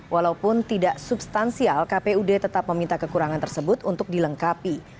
walaupun tidak substansial kpud tetap meminta kekurangan tersebut untuk dilengkapi